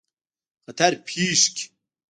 خطر پېښ کړي.